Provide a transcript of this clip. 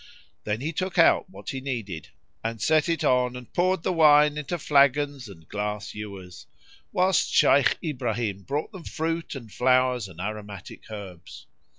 Then he took out what he needed and set it on and poured the wine into flagons and glass ewers, whilst Shaykh Ibrahim brought them fruit and flowers and aromatic herbs.